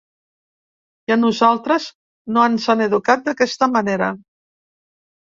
I a nosaltres no ens han educat d’aquesta manera.